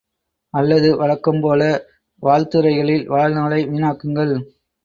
அல்லது வழக்கம்போல வாழ்த்துரைகளில் வாழ்நாளை வீணாக்குங்கள்!